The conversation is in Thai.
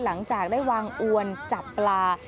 หลังจากได้วางอวนจับปลา